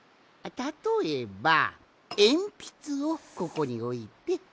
たとえばえんぴつをここにおいて。